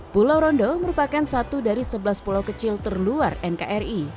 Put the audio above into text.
pulau rondo merupakan satu dari sebelas pulau kecil terluar nkri